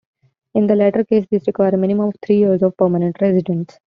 In the latter case, this requires a minimum of three years of permanent residence.